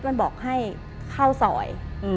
มันบอกให้เข้าซอย